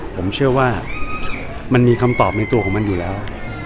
ผมเชื่อว่ามันมีคำตอบในตัวของมันอยู่แล้ว